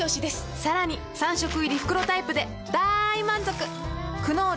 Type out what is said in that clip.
さらに３食入り袋タイプでだーい満足！